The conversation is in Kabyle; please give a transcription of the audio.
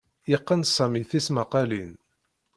Yeqqen Sami tismaqalin.